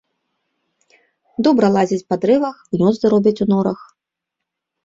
Добра лазяць па дрэвах, гнёзды робяць у норах.